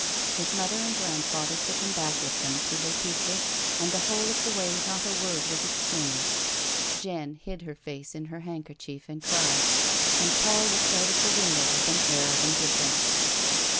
His mother and grandfather took him back with them to Les Peuples and the whole of the way not a word was exchanged. Jeanne hid her face in her handkerchief and cried, and Paul looked out of the window with an air of indifference.